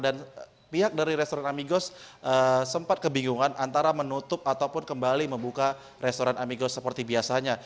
dan pihak dari restoran amigos sempat kebingungan antara menutup ataupun kembali membuka restoran amigos seperti biasanya